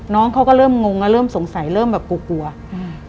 น้องเขาก็เริ่มงงอ่ะเริ่มสงสัยเริ่มแบบกลัวกลัวอืม